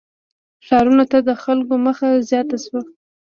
• ښارونو ته د خلکو مخه زیاته شوه.